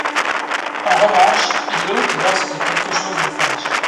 En revanche, il l'ôte lorsque quelque chose le fâche.